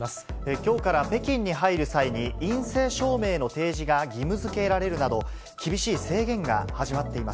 きょうから北京に入る際に、陰性証明の提示が義務づけられるなど、厳しい制限が始まっていま